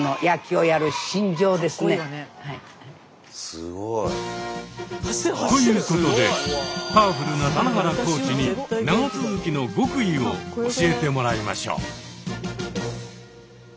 すごい。ということでパワフルな棚原コーチに長続きの極意を教えてもらいましょう。